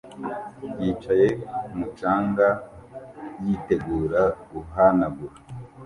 Yicaye kumu canga er yitegura guhanagura